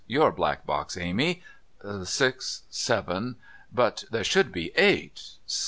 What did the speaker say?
Your black box, Amy... Six, Seven... But there should be Eight...